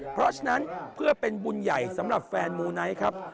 เพราะฉะนั้นเพื่อเป็นบุญใหญ่สำหรับแฟนมูไนท์ครับ